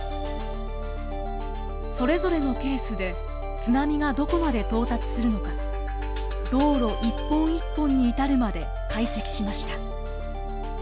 それぞれのケースで津波がどこまで到達するのか道路一本一本に至るまで解析しました。